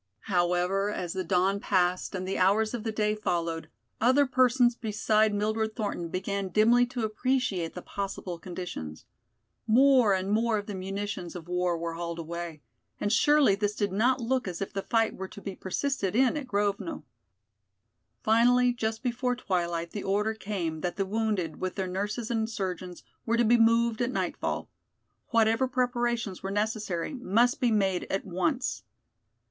However, as the dawn passed and the hours of the day followed, other persons beside Mildred Thornton began dimly to appreciate the possible conditions. More and more of the munitions of war were hauled away, and surely this did not look as if the fight were to be persisted in at Grovno. Finally, just before twilight the order came that the wounded, with their nurses and surgeons, were to be moved at nightfall. Whatever preparations were necessary must be made at once.